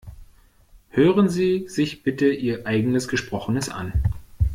Hören Sie sich bitte Ihr eigenes Gesprochenes an.